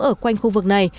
ở quanh khu vực này